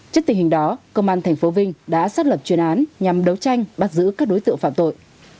trước tình hình đó công an tp vinh đã xác lập chuyên án nhằm đấu tranh bắt giữ các đối tượng phạm tội